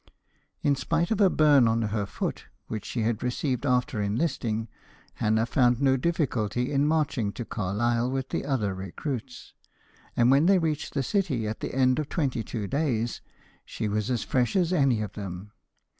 In spite of a burn on her foot, which she had received after enlisting, Hannah found no difficulty in marching to Carlisle with the other recruits, and when they reached the city at the end of twenty two days, she was as fresh as any of them.